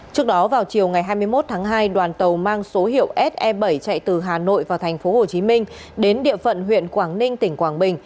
trước đó vào chiều ngày hai mươi một tháng hai đoàn tàu mang số hiệu se bảy chạy từ hà nội vào thành phố hồ chí minh đến địa phận huyện quảng ninh tỉnh quảng bình